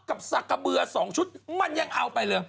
สักกระเบือ๒ชุดมันยังเอาไปเลย